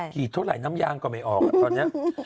ขีดเท่าไหร่น้ำยางก็ไม่ออกตอนนี้